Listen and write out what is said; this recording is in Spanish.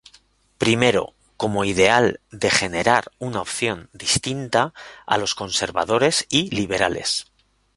Primero como ideal de generar una opción distinta a los conservadores y liberales.